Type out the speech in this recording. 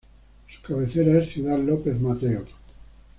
Su cabecera es Ciudad López Mateos.